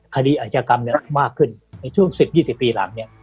อาชญากรรมเนี่ยมากขึ้นในช่วง๑๐๒๐ปีหลังเนี่ย